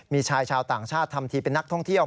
มีชายชาวต่างชาติทำทีเป็นนักท่องเที่ยว